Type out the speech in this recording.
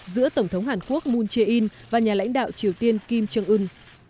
giữa tổng thống hàn quốc moon jae in và nhà lãnh đạo triều tiên kim jong un